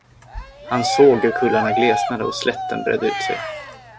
Han såg hur kullarna glesnade och slätten bredde ut sig.